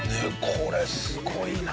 これすごいな！